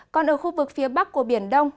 còn ở khu vực phía bắc của biển đông